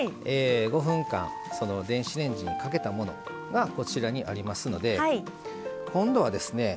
５分間電子レンジにかけたものがこちらにありますので今度はですね